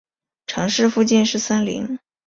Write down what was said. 城市附近是森林。